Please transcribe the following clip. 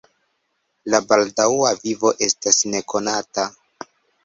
La baldaŭa vivo estas nekonata.